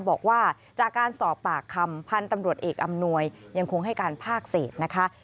บอกว่าจากการสอบปากคำพันธุ์ตำรวจเอกอำนวยยังคงให้การภาคเศษนะคะ